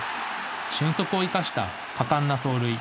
俊足を生かした果敢な走塁。